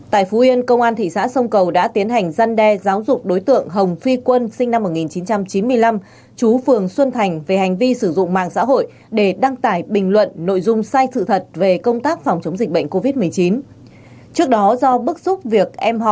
tại phú yên công an thị xã sông cầu đã tiến hành dân đe giáo dục đối tượng hồng phi quân sinh năm một nghìn chín trăm chín mươi năm